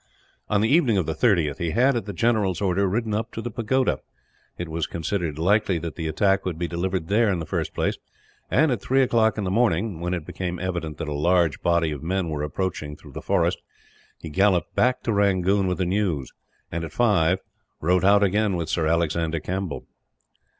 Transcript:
On the evening of the 30th he had, at the general's order, ridden up to the pagoda. It was considered likely that the attack would be delivered there in the first place and, at three o'clock in the morning, when it became evident that a large body of men were approaching through the forest, he galloped back to Rangoon with the news and, at five, rode out again with Sir A. Campbell.